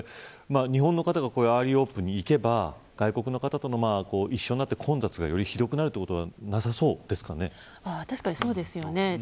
日本の方がアーリーオープンに行けば外国の方と一緒になって混雑がひどくなることは確かにそうですね。